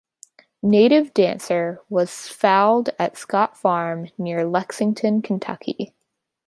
Native Dancer was foaled at Scott Farm near Lexington, Kentucky.